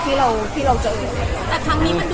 แต่ครั้งนี้มันดูเหมือนแรงกว่าครั้งเมืองก่อน